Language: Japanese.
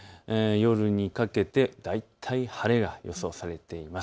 夜にかけて大体晴れが予想されています。